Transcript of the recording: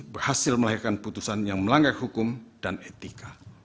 berhasil melahirkan putusan yang melanggar hukum dan etika